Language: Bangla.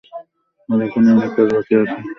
আর এখনো অনেক কাজ বাকি আছে।